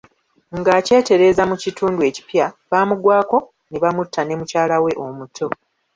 Nga akyetereeza mu kitundu ekipya, baamugwako ne bamutta ne mukyala we omuto.